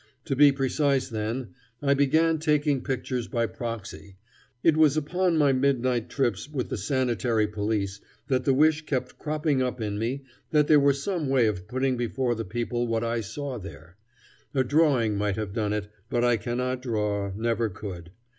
To be precise, then, I began taking pictures by proxy. It was upon my midnight trips with the sanitary police that the wish kept cropping up in me that there were some way of putting before the people what I saw there. A drawing might have done it, but I cannot draw, never could.